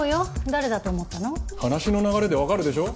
話の流れでわかるでしょ。